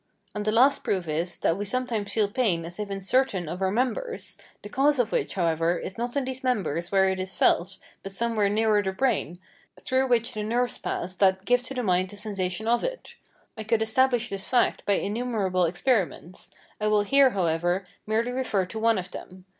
And the last proof is, that we sometimes feel pain as if in certain of our members, the cause of which, however, is not in these members where it is felt, but somewhere nearer the brain, through which the nerves pass that give to the mind the sensation of it. I could establish this fact by innumerable experiments; I will here, however, merely refer to one of them.